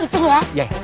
ngitung dulu ya